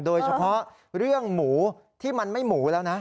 โดยเฉพาะเรื่องหมูที่มันไม่หมูแล้วนะ